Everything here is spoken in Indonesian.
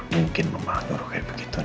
mungkin memahami begitu